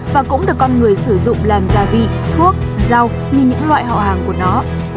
và cũng được con người sử dụng làm gia vị thuốc dao như những loại họ hàng của nó